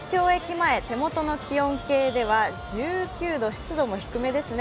前、手元の気温計では１９度、湿度も低めですね